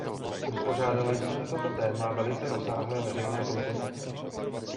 Uspořádali jsme na toto téma velice rozsáhlé veřejné konzultace.